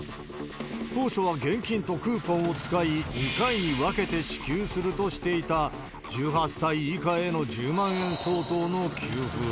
当初は現金とクーポンを使い、２回に分けて支給するとしていた１８歳以下への１０万円相当の給付。